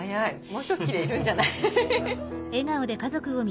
もうひと切れ要るんじゃない？